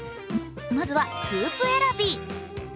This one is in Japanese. まずはスープ選び。